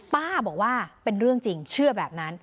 ป้าบอกว่าเป็นเรื่องจริงเชื่อแบบนั้น